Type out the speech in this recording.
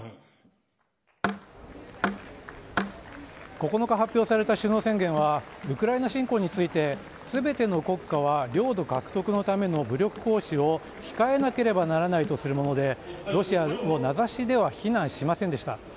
９日、発表された首脳宣言はウクライナ侵攻について全ての国家は領土獲得のための武力行使を控えなければならないとするものでロシアを名指しでは非難しませんでした。